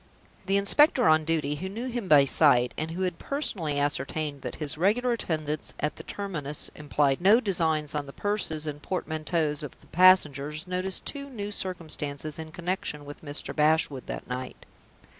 The inspector on duty, who knew him by sight, and who had personally ascertained that his regular attendance at the terminus implied no designs on the purses and portmanteaus of the passengers, noticed two new circumstances in connection with Mr. Bashwood that night.